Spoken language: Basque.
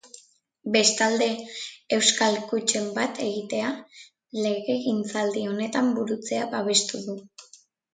Bestalde, euskal kutxen bat-egitea legegintzaldi honetan burutzea babestu du.